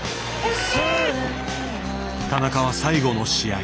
田中は最後の試合